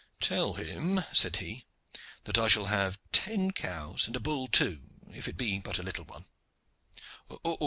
"Tell him," said he, "that I shall have ten cows and a bull too, if it be but a little one.